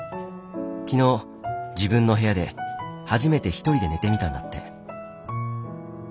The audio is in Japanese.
昨日自分の部屋で初めて一人で寝てみたんだって。